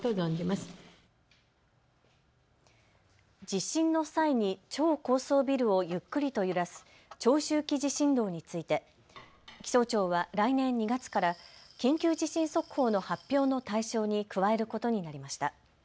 地震の際に超高層ビルをゆっくりと揺らす長周期地震動について気象庁は来年２月から緊急地震速報の発表の対象に加えることになりました。